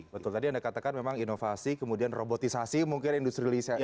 betul tadi anda katakan memang inovasi kemudian robotisasi mungkin industrialisasi